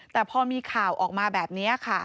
แต่พอมีข่าวออกมาแบบนี้ค่ะ